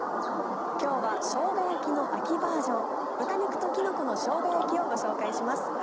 今日はしょうが焼きの秋バージョン「豚肉ときのこのしょうが焼き」をご紹介します。